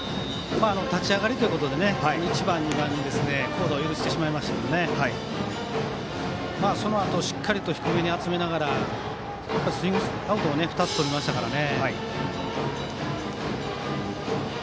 立ち上がりということで１番、２番にヒットを許してしまいましたがそのあとしっかりと低めに集めながらスイングアウトを２つとりましたからね。